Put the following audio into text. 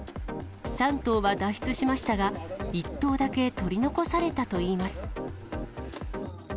３頭は脱出しましたが、１頭だけ取り残されたといいます。